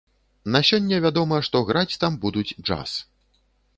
На сёння вядома, што граць там будуць джаз.